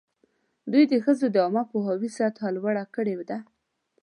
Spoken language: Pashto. دوی د ښځو د عامه پوهاوي سطحه لوړه کړې ده.